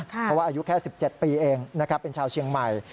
เพราะว่าอายุแค่๑๗ปีเองนะครับเป็นชาวเชียงใหม่